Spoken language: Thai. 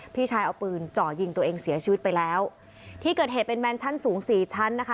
พี่ชายเอาปืนเจาะยิงตัวเองเสียชีวิตไปแล้วที่เกิดเหตุเป็นแมนชั่นสูงสี่ชั้นนะคะ